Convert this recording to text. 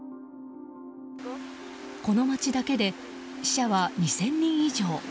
この町だけで死者は２０００人以上。